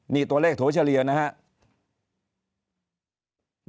นี่ตัวเลขโถชะเรียนะครับ